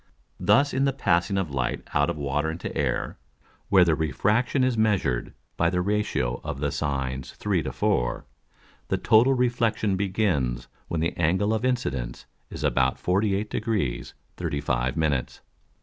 Thus in the passing of Light out of Water into Air, where the Refraction is measured by the Ratio of the Sines 3 to 4, the total Reflexion begins when the Angle of Incidence is about 48 Degrees 35 Minutes.